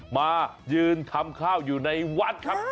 มายืนทำข้าวอยู่ในวัดครับ